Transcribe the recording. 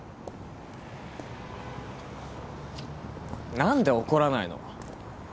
何で怒らないの？